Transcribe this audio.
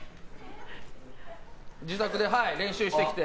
自宅で練習してきて。